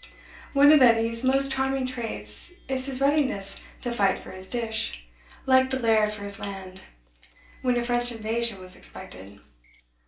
One of Edie's most charming traits is his readiness to "fight for his dish, like the laird for his land," when a French invasion was expected.